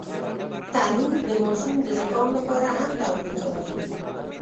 تنور د ماشوم د زکام لپاره هم تودوخه ورکوي